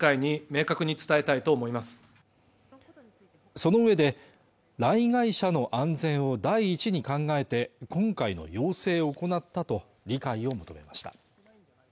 そのうえで来街者の安全を第一に考えて今回の要請を行ったと理解を求めました